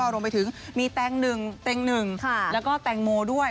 รวมไปถึงมีแตงหนึ่งเต็งหนึ่งแล้วก็แตงโมด้วย